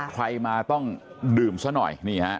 ใครมาต้องดื่มซะหน่อย